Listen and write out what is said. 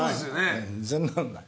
全然なんない。